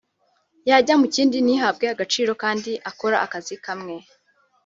yajya mu kindi ntihabwe agaciro kandi akora akazi kamwe